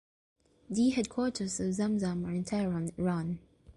The headquarters of Zamzam are in Tehran, Iran.